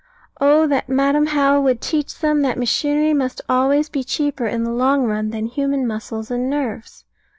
Oh that Madam How would teach them that machinery must always be cheaper in the long run than human muscles and nerves!